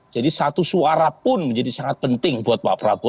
jadi satu suara pun menjadi sangat penting buat pak prabowo